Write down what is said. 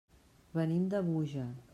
Venim de Búger.